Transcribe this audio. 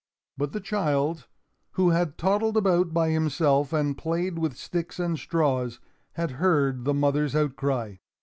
But the child, who had toddled about by himself and played with sticks and straws, had heard the mother's outcry.